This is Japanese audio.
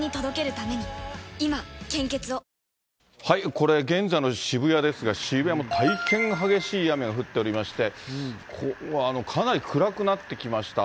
これ、現在の渋谷ですが、渋谷も大変激しい雨が降っておりまして、かなり暗くなってきました。